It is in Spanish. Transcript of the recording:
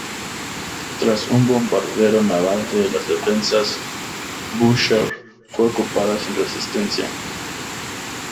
Tras un bombardeo naval de las defensas, Bushehr fue ocupada sin resistencia.